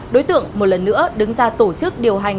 đối tượng một lần nữa đứng ra tổ chức điều hành